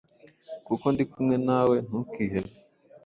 kuko ndi kumwe nawe; ntukihebe,